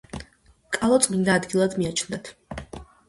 კალო წმინდა ადგილად მიაჩნდათ.